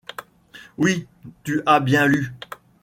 Oui : tu as bien lu.